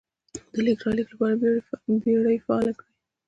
د لېږد رالېږد لپاره بېړۍ فعالې کړې.